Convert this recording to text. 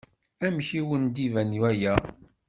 Amek i wen-d-iban waya?